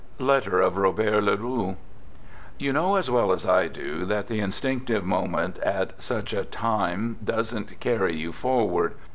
" (Letter of Robert Le Roux) You know as well as I do that the instinctive moment at such a time doesn't carry you forward.